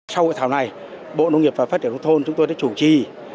sau hội thảo này bộ nông nghiệp và phát triển nông thôn chúng tôi đã chủ trì